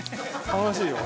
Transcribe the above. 楽しいよ。